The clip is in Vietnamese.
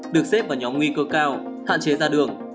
được xếp vào nhóm nguy cơ cao hạn chế ra đường